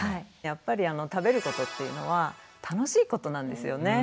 やっぱり食べることっていうのは楽しいことなんですよね。